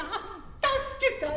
助けたい。